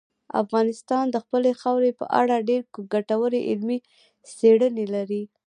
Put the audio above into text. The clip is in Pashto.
افغانستان د خپلې خاورې په اړه ډېرې ګټورې علمي څېړنې لري.